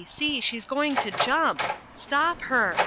see! She's going to jump stop her!